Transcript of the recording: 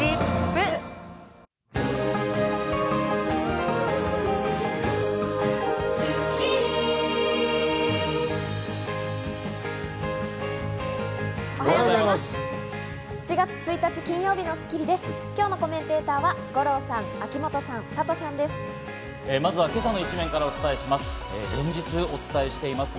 今日のコメンテーターの皆さんです。